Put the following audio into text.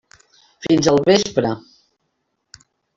Fins al vespre.